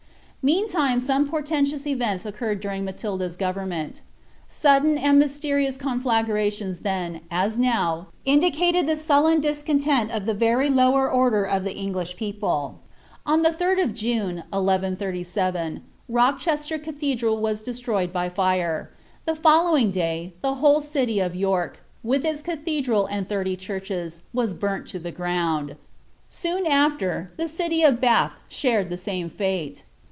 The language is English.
Meantime some portentous events occurred during Matilda's govern ment Sudden and mysterious conflagrations then, as now, indicated the sullen discontent of the very lower order of the English people. On the dd of June, 1137, Rochester cathedral was destroyed by fire; the following day, the whole city of Tork, with its cathedral and thirty churches, was burnt to the ground ; soon afler, the city of Bath shared the same &te.